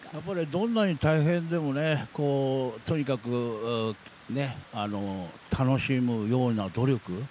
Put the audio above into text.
どんなに大変でもねとにかく楽しむような努力。